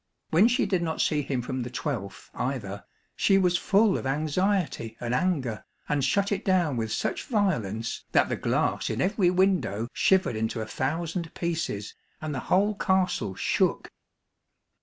When she did not see him from the twelfth either, she was full of anxiety and anger, and shut it down with such violence that the glass in every window shivered into a thousand pieces, and the whole castle shook.